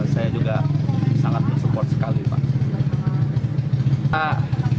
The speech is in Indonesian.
saya juga sangat mensupport sekali pak